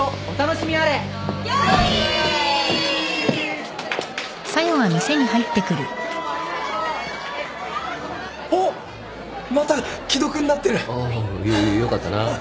よっよかったな。